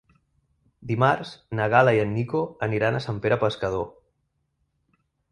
Dimarts na Gal·la i en Nico aniran a Sant Pere Pescador.